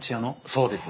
そうです。